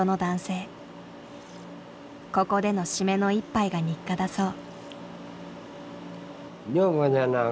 ここでのシメの一杯が日課だそう。